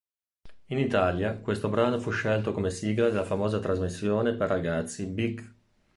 In Italia questo brano fu scelto come sigla della famosa trasmissione per ragazzi "Big!".